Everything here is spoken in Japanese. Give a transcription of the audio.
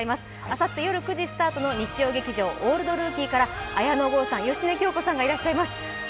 あさって夜９時スタートの日曜劇場「オールドルーキー」から、綾野剛さん、芳根京子さんがいらっしゃいます。